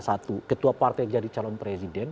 satu ketua partai jadi calon presiden